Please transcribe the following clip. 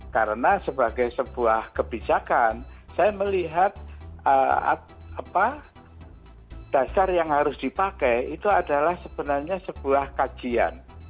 karena sebagai sebuah kebijakan saya melihat dasar yang harus dipakai itu adalah sebenarnya sebuah kajian